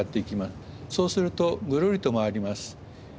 そうするとぐるりと回ります。